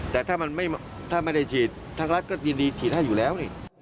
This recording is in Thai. แต่ถ้าไม่ได้ฉีดทางรัฐก็ยินดีฉีดให้อยู่แล้วนี่